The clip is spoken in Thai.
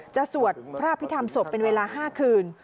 สวดพระอภิษฐรรมศพเป็นเวลา๕คืน